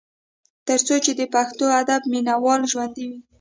تر څو چې د پښتو ادب مينه وال ژوندي وي ۔